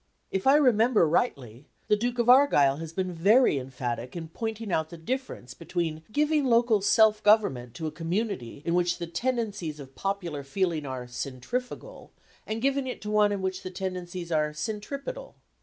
If I remember rightly, the Duke of Argyll has been very emphatic in pointing out the difference between giving local self government to a community in which the tendencies of popular feeling are "centrifugal," and giving it to one in which these tendencies are "centripetal."